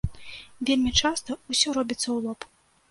Вельмі часта ўсё робіцца ў лоб.